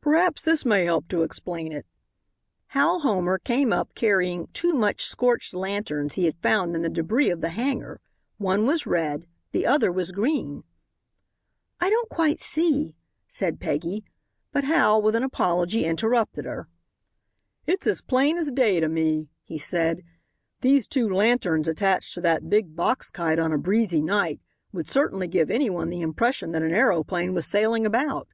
"Perhaps this may help to explain it." Hal Homer came up carrying two much scorched lanterns he had found in the debris of the hangar. One was red, the other was green. "I don't quite see," said Peggy, but Hal, with an apology interrupted her. "It's plain as day to me," he said; "these two lanterns attached to that big box kite on a breezy night would certainly give any one the impression that an aeroplane was sailing about.